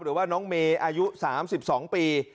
หรือว่าน้องเมย์อายุ๓๒ปี